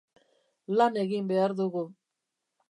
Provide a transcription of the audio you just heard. Lan egin behar dugu.